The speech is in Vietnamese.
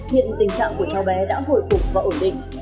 hiện tình trạng của cháu bé đã hồi phục và ổn định